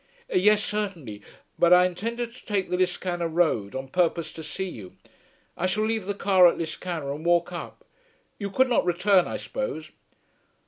"Yes; certainly; but I intended to take the Liscannor road on purpose to see you. I shall leave the car at Liscannor and walk up. You could not return, I suppose?"